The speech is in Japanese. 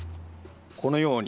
このように。